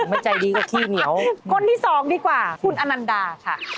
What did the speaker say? คนที่สองดีกว่าคุณอนันดาค่ะ